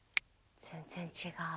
全然違う。